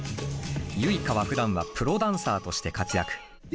Ｙｕｉｋａはふだんはプロダンサーとして活躍。